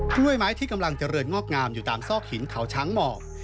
กล้วยไม้ที่กำลังเจริญงอกงามอยู่ตามซอกหินเขาช้างหมอก